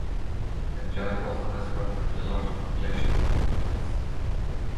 Pendjari also has a relatively large population of elephants.